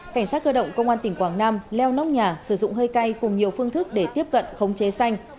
cảnh sát cơ động công an tỉnh quảng nam leo nóc nhà sử dụng hơi cay cùng nhiều phương thức để tiếp cận khống chế xanh